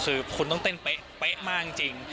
คือคุณต้องเต้นเป๊ะมากจริง